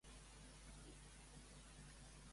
Paguen el valor total de l'animal?